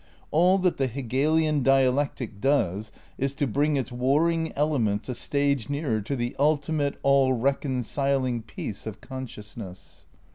All that the Hegelian dialectic does is to bring its warring elements a stage nearer to the ulti mate, all reconciling peace of consciousness.